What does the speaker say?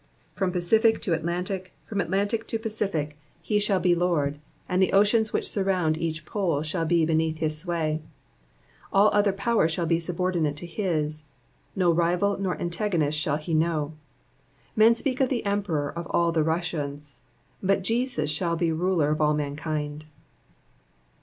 From Pacidc to Atlantic, and from At lantic to Pacific, he shall be Lord, and the oceans which surround each pole shall be beneath his sway. All other power shall be subordinate to his ; no rival nor antagonist shall he know. Men speak of the Emperor of all the Russias, but Jesus shall be Ruler of all mankind.